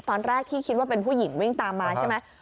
ตอนแรกที่คิดว่าเป็นผู้หญิงวิ่งตามมาใช่ไหม